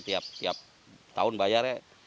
kita tiap tahun bayarnya